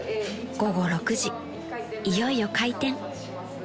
［午後６時いよいよ開店］